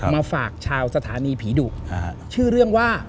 มาฝากชาวสถานีผีดุชื่อเรื่องว่า